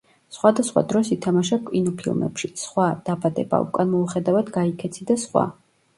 სხვადასხვა დროს ითამაშა კინოფილმებში: „სხვა“, „დაბადება“, „უკან მოუხედავად გაიქეცი“ და სხვა.